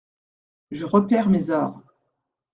Je reperds mes arrhes…